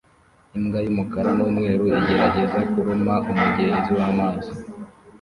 imbwa y'umukara n'umweru igerageza kuruma umugezi w'amazi